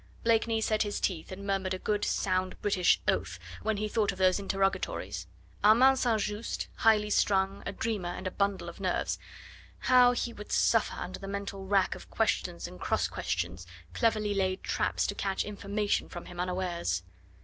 Blakeney set his teeth and murmured a good, sound, British oath when he thought of those interrogatories. Armand St. Just, highly strung, a dreamer and a bundle of nerves how he would suffer under the mental rack of questions and cross questions, cleverly laid traps to catch information from him unawares!